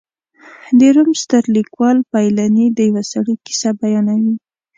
د روم ستر لیکوال پیلني د یوه سړي کیسه بیانوي